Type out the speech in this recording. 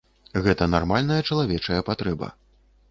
Гэта нармальная чалавечая патрэба.